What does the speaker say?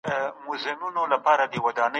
د لویې جرګي تر ټولو تودي او جدي خبري چېرته کیږي؟